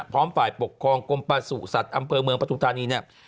พร้อมฝ่ายปกครองกรมป่าสุขศัตริย์อำเผอเมืองประตูปราณีเนี่ย